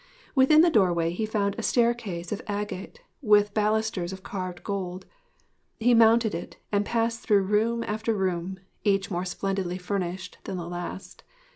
Within the doorway he found a staircase of agate with balusters of carved gold. He mounted it and passed through room after room, each more splendidly furnished than the last.